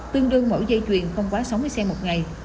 tương đương mỗi dây chuyền không quá sáu mươi xe một ngày